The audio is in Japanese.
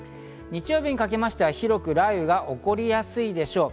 日曜日にかけましては広く雷雨が起こりやすいでしょう。